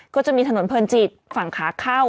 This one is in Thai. ก็จะมีถนนเพลินจิตฝั่งขาเข้า